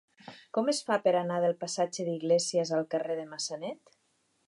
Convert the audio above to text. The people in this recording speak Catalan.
Com es fa per anar del passatge d'Iglésias al carrer de Massanet?